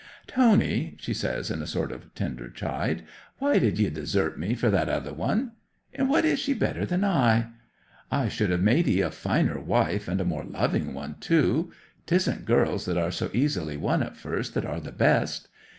'"Tony," she says, in a sort of tender chide, "why did ye desert me for that other one? In what is she better than I? I should have made 'ee a finer wife, and a more loving one too. 'Tisn't girls that are so easily won at first that are the best.